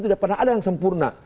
tidak pernah ada yang sempurna